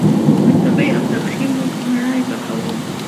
پر تبۍ او تبخي موږ مړۍ پخوو